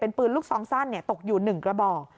เป็นปืนลูกซองสั้นเนี่ยตกอยู่๑กระบอก